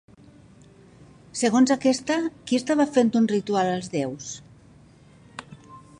Segons aquesta, qui estava fent un ritual als déus?